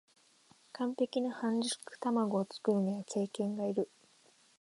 完璧な半熟たまごを作るには経験がいる